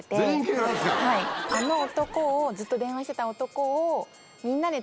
あの男をずっと電話してた男を。